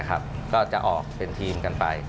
ก็จะออกเป็นทีมกันไป